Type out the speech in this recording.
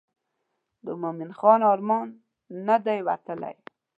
د مومن خان ارمان نه دی وتلی.